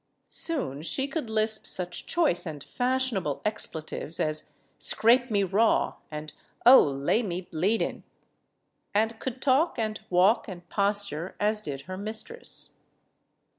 Soon she could lisp such choice and fashionable ex pletives as "Scrape me raw!" and "Oh, lay me bleed ing!" and could talk and walk and posture as did her mistress.